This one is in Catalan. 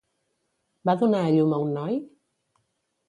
Va donar a llum a un noi?